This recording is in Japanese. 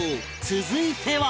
続いては